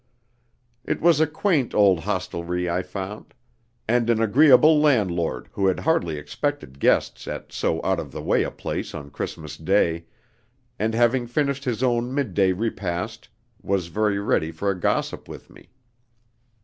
It was a quaint old hostelry I found, and an agreeable landlord, who had hardly expected guests at so out of the way a place on Christmas Day, and having finished his own midday repast, was very ready for a gossip with me.